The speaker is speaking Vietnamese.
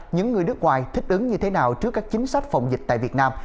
những người nước ngoài thích ứng như thế nào trước các chính sách phòng dịch tại việt nam